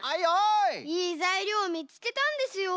いいざいりょうをみつけたんですよ。